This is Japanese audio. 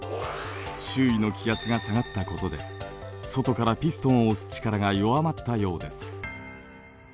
周囲の気圧が下がったことで外からピストンを押す力が弱まったようです。